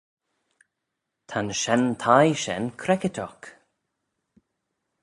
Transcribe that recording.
Ta'n shenn thie shen creckit oc.